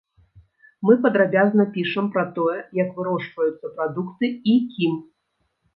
Мы падрабязна пішам пра тое, як вырошчваюцца прадукты і кім.